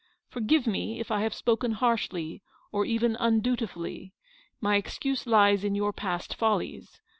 " Forgive me if I have spoken harshly, or even undutifully; my excuse lies in your past follies.